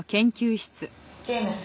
ジェームズ。